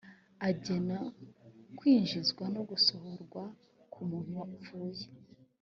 agena kwinjizwa no gusohorwa k’umuntu wapfuye